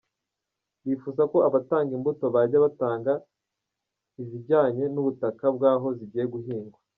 Bifuza ko abatanga imbuto bajya batanga izajyanye n’ubutaka bw’aho zigiye guhingwa.